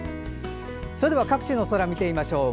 それでは各地の空見てみましょう。